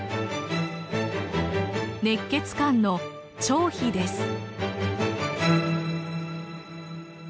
熱血漢の張飛です。